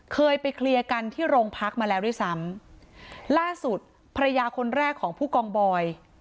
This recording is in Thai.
เคยไปเคลียร์กันที่โรงพักมาแล้วด้วยซ้ำล่าสุดภรรยาคนแรกของผู้กองบอย